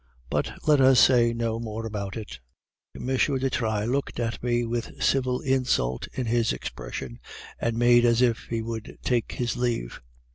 But let us say no more about it ' "M. de Trailles looked at me with civil insult in his expression, and made as if he would take his leave.